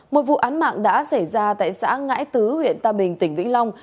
một vụ án mạng đã xảy ra tại xã ngãi tứ huyện tà bình tỉnh vĩnh long